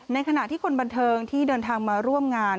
ในขณะที่คนบันเทิงที่เดินทางมาร่วมงาน